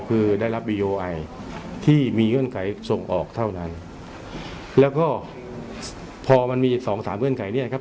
คือได้รับวีดีโอไอที่มีเงื่อนไขส่งออกเท่านั้นแล้วก็พอมันมีสองสามเงื่อนไขเนี่ยครับ